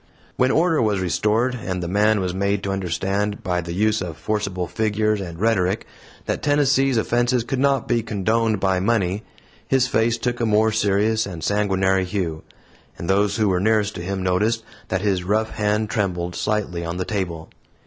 When order was restored, and the man was made to understand, by the use of forcible figures and rhetoric, that Tennessee's offense could not be condoned by money, his face took a more serious and sanguinary hue, and those who were nearest to him noticed that his rough hand trembled slightly on the table.